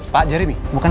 pak jeremy bukan